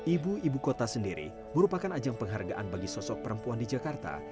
ibu ibu kota sendiri merupakan ajang penghargaan bagi sosok perempuan di jakarta